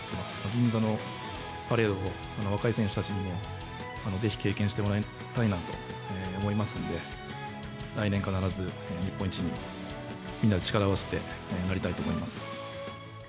銀座のパレードを、若い選手たちにもぜひ経験してもらいたいなと思いますんで、来年必ず日本一に、みんなで力を合わせてなりたいと思います。